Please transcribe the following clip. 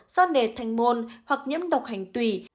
do nề thành môn hoặc nhiễm độc hành tùy